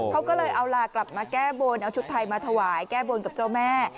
เขาก็เลยเอาลากลับมาแก้บนเอาชุดไทยมาถวายแก้บนกับเจ้าแม่